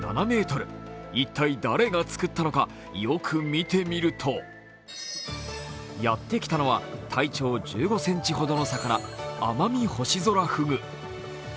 一体、誰が作ったのかよく見てみるとやってきたのは体長１５ｃｍほどの魚、アマミホシゾラフグ。